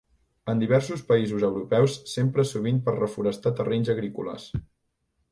En diversos països europeus s'empra sovint per reforestar terrenys agrícoles.